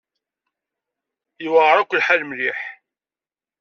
Yewɛer-ak lḥal mliḥ.